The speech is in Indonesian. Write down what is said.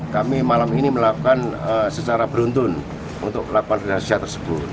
kami malam ini melakukan secara beruntun untuk laporan finansial tersebut